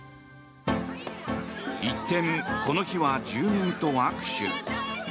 一転、この日は住民と握手。